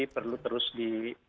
perlu terus di